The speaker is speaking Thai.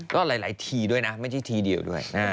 ก็หลายทีด้วยนะไม่ใช่ทีเดียวด้วย